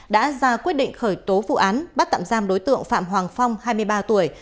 đã ra quyết định khởi tố vụ án bắt tạm giam đối tượng phạm hoàng phong hai mươi ba tuổi